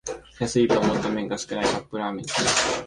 安いと思ったら麺が少ないカップラーメンじゃん